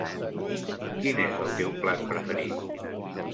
Quin és el teu plat preferit?